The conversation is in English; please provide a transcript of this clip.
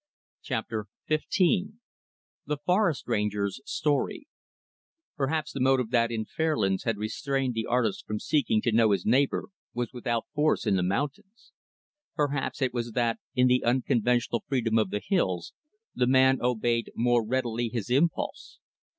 Chapter XV The Forest Ranger's Story Perhaps the motive that, in Fairlands, had restrained the artist from seeking to know his neighbor was without force in the mountains. Perhaps it was that, in the unconventional freedom of the hills, the man obeyed more readily his impulse.